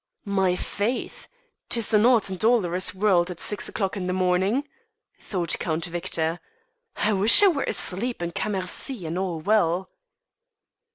"My faith! 'tis an odd and dolorous world at six o'clock in the morning," thought Count Victor; "I wish I were asleep in Cammercy and all well."